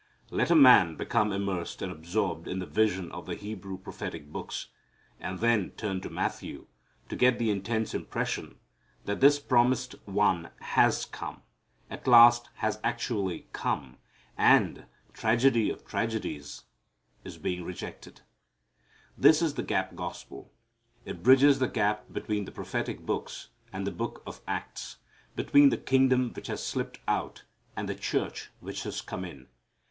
Let a man become immersed and absorbed in the vision of the Hebrew prophetic books and then turn to Matthew to get the intense impression that this promised One has come, at last has actually come, and tragedy of tragedies is being rejected. This is the gap gospel. It bridges the gap between the prophetic books and the book of Acts, between the kingdom which has slipped out and the church which has come in.